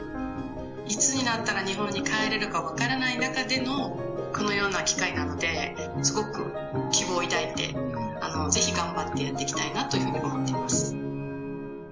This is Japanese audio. いつになったら日本に帰れるか分からない中での、このような機会なので、すごく希望を抱いて、ぜひ頑張ってやっていきたいなというふうに思っています。